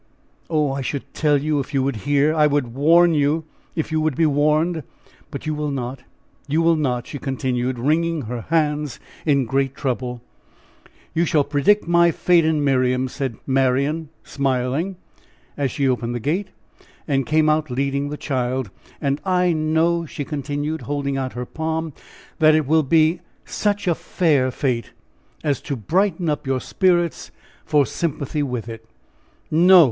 Oh! I could tell you if you would hear! I could warn you, if you would be warned! But you will not! you will not!" she continued, wringing her hands in great trouble. "You shall predict my fate and Miriam's," said Marian, smiling, as she opened the gate, and came out leading the child. "And I know," she continued, holding out her palm, "that it will be such a fair fate, as to brighten up your spirits for sympathy with it." "No!